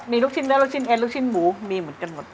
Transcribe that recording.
มีลูกชิ้นเนื้อลูกชิ้นเอ็นลูกชิ้นหมูมีเหมือนกันหมด